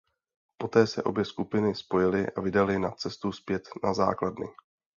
Poté se obě skupiny spojily a vydaly na cestu zpět na základny.